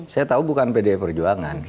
saya tahu bukan pdi perjuangan